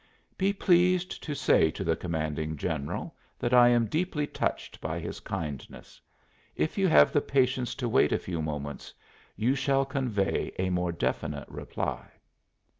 "Be pleased to say to the Commanding General that I am deeply touched by his kindness. If you have the patience to wait a few moments you shall convey a more definite reply."